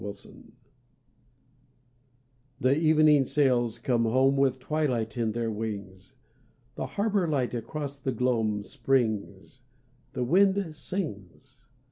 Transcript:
WAVES The evening sails come home With twilight in their wings. The harbour light across the gloam Springs; The wind sings.